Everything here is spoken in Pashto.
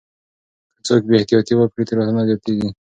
که څوک بې احتياطي وکړي تېروتنه زياتيږي.